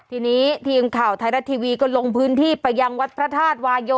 ทีนี้ทีมข่าวไทยรัฐทีวีก็ลงพื้นที่ไปยังวัดพระธาตุวายโย